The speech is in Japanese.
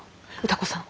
「歌子さん